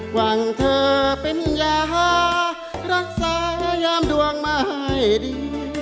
หวังเธอเป็นยารักษายามดวงมาให้ดี